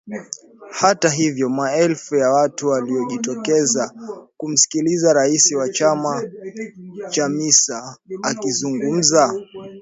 Hata hivyo maelfu ya watu waliojitokeza kumsikiliza rais wa chama Chamisa akizungumza